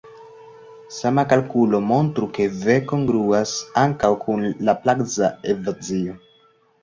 Sama kalkulo montru, ke "v" kongruas ankaŭ kun la laplaca ekvacio.